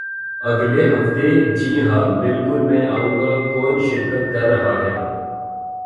اگلے ہفتے؟ جی ہاں، بالکل میں آئوں گا. کون شرکت کر رہا ہے؟